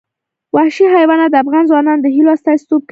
وحشي حیوانات د افغان ځوانانو د هیلو استازیتوب کوي.